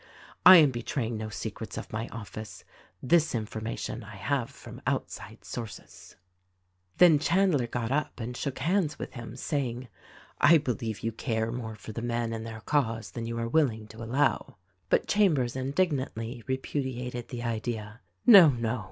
I am be traying no secrets of my office: This information I have from outside sources." THE RECORDING ANGEL 161 Then Chandler got up and shook hands with him, say ing, "I believe you care more for the men and their cause than you are willing to allow." "But Chambers indignantly repudiated the idea. "No, no!"